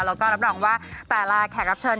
แล้วก็รับรองว่าแต่ละแขกรับเชิญ